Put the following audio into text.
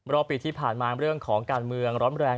รอบปีที่ผ่านมาเรื่องของการเมืองร้อนแรง